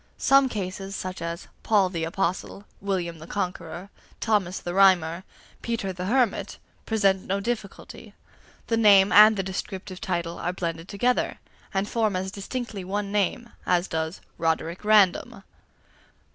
Some cases, such as "Paul the Apostle," "William the Conqueror," "Thomas the Rhymer," "Peter the Hermit," present no difficulty. The name and the descriptive title are blended together, and form as distinctly one name as does "Roderick Random." XVI.